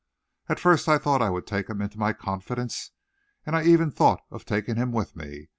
At first I thought I would take him into my confidence, and I even thought of taking him with me.